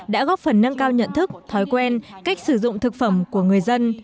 đã góp phần nâng cao nhận thức thói quen cách sử dụng thực phẩm của người dân